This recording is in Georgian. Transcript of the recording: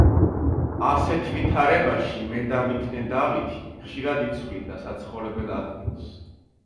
ასეთ ვითარებაში მედავითნე დავითი ხშირად იცვლიდა საცხოვრებელ ადგილს.